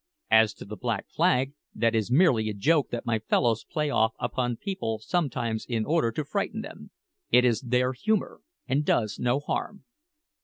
As to the black flag, that is merely a joke that my fellows play off upon people sometimes in order to frighten them. It is their humour, and does no harm.